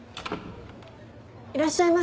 いらっしゃいませ。